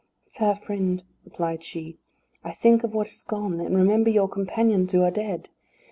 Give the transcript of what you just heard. "Fair friend," replied she, "I think of what is gone, and remember your companions, who are dead.